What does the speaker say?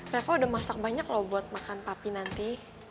reva udah masak banyak loh buat makan papi nanti